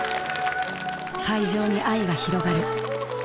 会場に愛が広がる。